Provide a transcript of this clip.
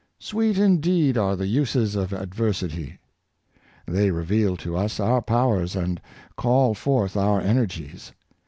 " Sweet indeed are the uses of adversity. " They re veal to us our powers, and call forth our energies.